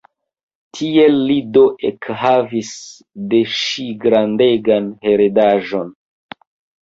Tiel li do ekhavis de ŝi grandegan heredaĵon.